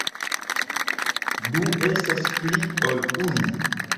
Du estas pli ol unu.